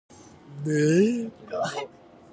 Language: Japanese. あなた次第なのよ、全て